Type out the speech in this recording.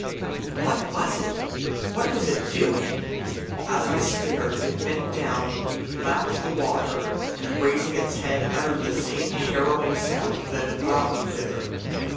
What was it? What was it doing? As I stared it bent down, lapped the water, and raising its head, uttered the same harrowing sound that had brought me thither.